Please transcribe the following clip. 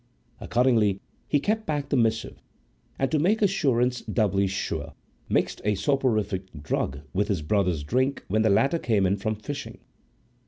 Accordingly he kept back the missive, and, to make assurance doubly sure, mixed a soporific drug with his brother's drink when the latter came in from fishing.